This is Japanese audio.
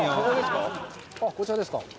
「あっこちらですか」